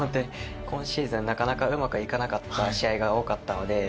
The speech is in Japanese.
今シーズンなかなかうまくいかなかった試合が多かったので。